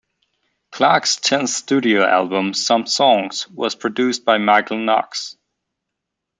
Clark's tenth studio album, "Some Songs", was produced by Michael Knox.